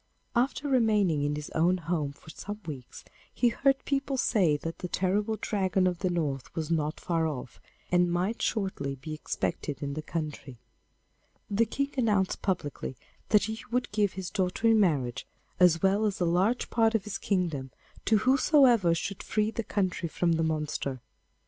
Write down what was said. After remaining in his own home for some weeks, he heard people say that the terrible Dragon of the North was not far off, and might shortly be expected in the country. The King announced publicly that he would give his daughter in marriage, as well as a large part of his kingdom, to whosoever should free the country from the monster.